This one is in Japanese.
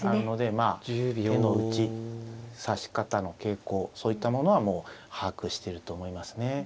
でまあ手の内指し方の傾向そういったものはもう把握していると思いますね。